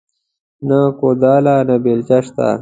نه کوداله نه بيلچه شته